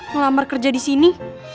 ngelamar kerja disini